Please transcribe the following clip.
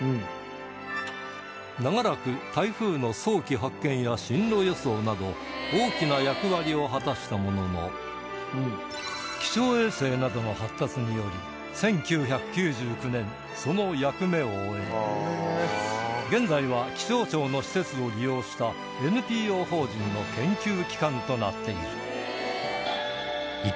長らく台風の早期発見や進路予想など大きな役割を果たしたものの気象衛星などの発達により１９９９年その役目を終え現在は気象庁の施設を利用した ＮＰＯ 法人の研究機関となっている